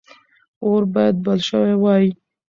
اور باید بل شوی وای.